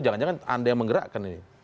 jangan jangan anda yang menggerakkan ini